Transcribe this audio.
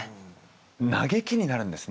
「なげき」になるんですね。